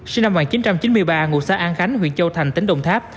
sinh năm một nghìn chín trăm chín mươi ba ngụ xã an khánh huyện châu thành tỉnh đồng tháp